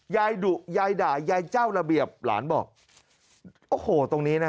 ยายดุยายด่ายายเจ้าระเบียบหลานบอกโอ้โหตรงนี้นะฮะ